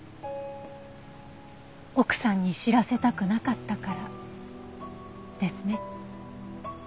奥さんに知らせたくなかったからですね？